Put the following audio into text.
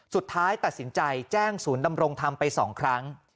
สุดท้ายตัดสินใจแจ้งศูนย์ดำรงธรรมไป๒ครั้ง